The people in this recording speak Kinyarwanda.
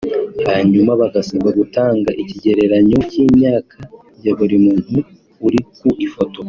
hanyuma bagasabwa gutanga ikigereranyo cy’imyaka ya buri muntu uri ku ifoto